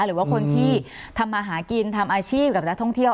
หรือว่าคนที่ทำมาหากินทำอาชีพกับนักท่องเที่ยว